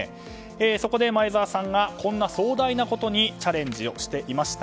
そこで前澤さんがこんな壮大なことにチャレンジをしていました。